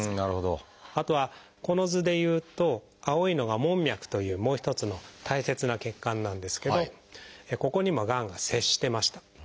あとはこの図でいうと青いのが「門脈」というもう一つの大切な血管なんですけどここにもがんが接してました。